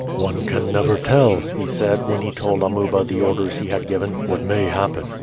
"One can never tell," he said, when he told Amuba the orders he had given, "what may happen.